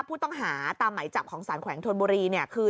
ผู้ต้องหาตามไหมจับของสารแขวงธนบุรีเนี่ยคือ